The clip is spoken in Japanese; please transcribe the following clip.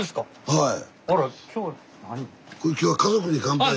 はい。